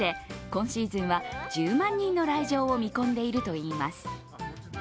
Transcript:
今シーズンは１０万人の来場を見込んでいるといいます。